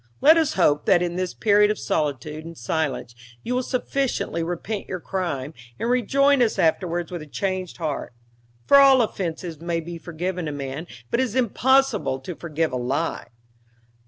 Let us hope that in this period of solitude and silence you will sufficiently repent your crime, and rejoin us afterwards with a changed heart; for all offenses may be forgiven a man, but it is impossible to forgive a lie."